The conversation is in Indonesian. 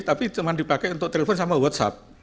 tapi cuma dipakai untuk telepon sama whatsapp